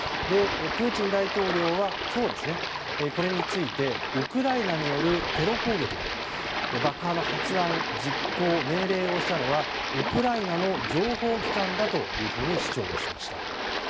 プーチン大統領は今日、これについてウクライナによるテロ攻撃だと。爆破の発案実行、命令をしたのはウクライナの情報機関だと主張しました。